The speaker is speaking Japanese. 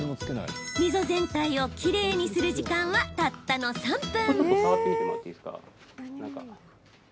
溝全体をきれいにする時間はたったの３分。